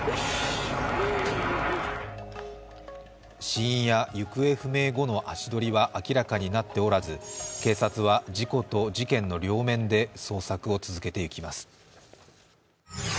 死因や行方不明後の足取りは明らかになっておらず警察は事故と事件の両面で捜索を続けていきます。